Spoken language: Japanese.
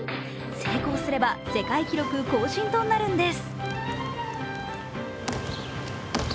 成功すれば世界記録更新となるんです。